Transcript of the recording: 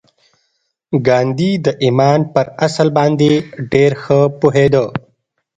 ګاندي د ایمان پر اصل باندې ډېر ښه پوهېده